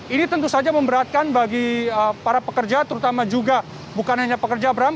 ini tentu saja memberatkan bagi para pekerja terutama juga bukan hanya pekerja bram